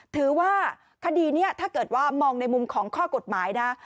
ถือว่าคดีนี้ถ้าเกิดว่ามองในมุมของข้อกฎหมายนะ